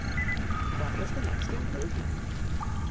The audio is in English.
What was the next improvement?